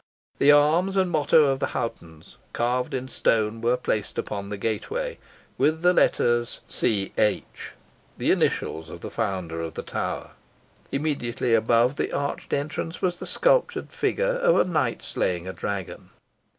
The arms and motto of the Hoghtons, carved in stone, were placed upon the gateway, with the letters T.H., the initials of the founder of the tower. Immediately above the arched entrance was the sculptured figure of a knight slaying a dragon.